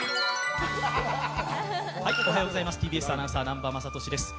おはようございます、ＴＢＳアナウンサー、南波雅俊です。